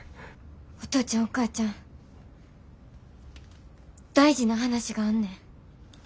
お父ちゃんお母ちゃん大事な話があんねん。